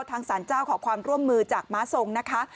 สารเจ้าขอความร่วมมือจากม้าทรงนะคะ